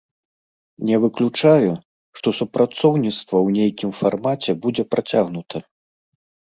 Не выключаю, што супрацоўніцтва ў нейкім фармаце будзе працягнута.